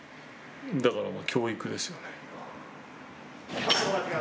だから教育ですよね。